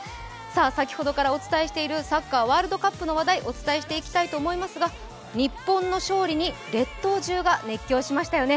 先ほどからお伝えしているサッカー・ワールドカップの話題をお伝えしていきたいと思いますが日本の勝利に列島中が熱狂しましたよね。